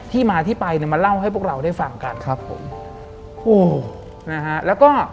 ที่มาที่ไปเนี่ยมาเล่าให้พวกเราได้ฟังกันครับผมโอ้นะฮะแล้วก็